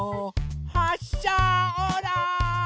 はっしゃオーライ！